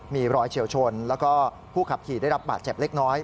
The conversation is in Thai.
มีรอยเฉียวชนแล้วก็ผู้ขับขี่ได้รับบาดเจ็บเล็กน้อย